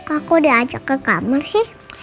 aku udah ajak ke kamar sih